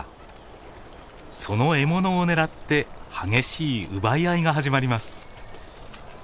その獲物を狙って激しい奪い合いが始まります。